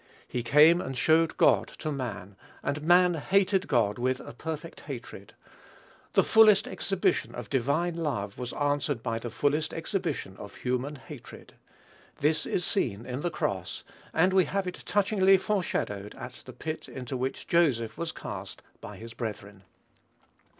He came and showed God to man, and man hated God with a perfect hatred. The fullest exhibition of divine love was answered by the fullest exhibition of human hatred. This is seen in the cross, and we have it touchingly foreshadowed at the pit into which Joseph was cast by his brethren.